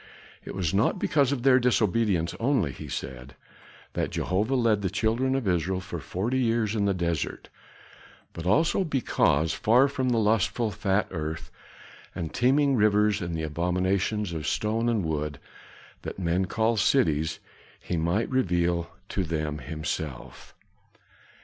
"It was not because of their disobedience only," he said, "that Jehovah led the children of Israel for forty years in the desert, but also, because far from the lustful fat earth and teeming rivers and the abominations of stone and wood that men call cities, he might reveal to them himself."